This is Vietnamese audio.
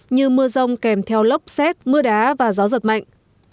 như mưa rông kèm theo lốc xét mưa đá và gió giật mạnh